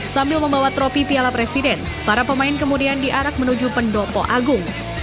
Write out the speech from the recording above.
sambil membawa tropi piala presiden para pemain kemudian diarak menuju pendopo agung